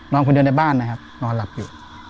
นอนคนเดียวในบ้านนอนหลับอยู่